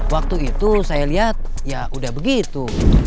waktu itu saya lihat ya udah begitu